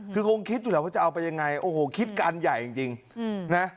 คือคงคิดอยู่แหละว่าจะเอาไปยังไงโอ้โหคิดการใหญ่จริงนะ